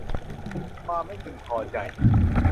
ความไม่พึงพอใจ